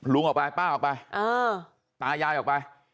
ออกไปป้าออกไปตายายออกไป